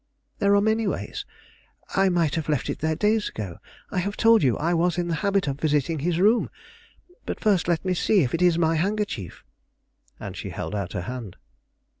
"There are many ways. I might have left it there days ago. I have told you I was in the habit of visiting his room. But first, let me see if it is my handkerchief." And she held out her hand.